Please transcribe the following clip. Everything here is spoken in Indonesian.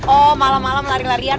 oh malam malam lari larian